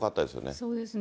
そうですね。